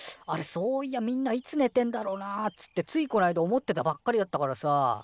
あれそういやみんないつねてんだろうなっつってついこの間思ってたばっかりだったからさ。